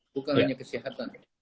bukan hanya kesehatan